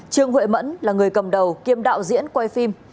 trương huệ mẫn là người cầm đầu kiêm đạo diễn quay phim